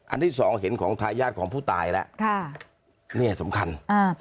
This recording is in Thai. ที่สองเห็นของทายาทของผู้ตายแล้วค่ะเนี้ยสำคัญอ่า